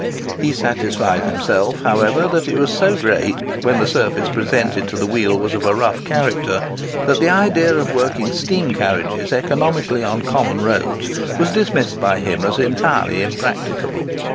He satisfied himself, however, that it was so great when the surface presented to the wheel was of a rough character, that the idea of working steam carriages economically on common roads was dismissed by him as entirely impracticable.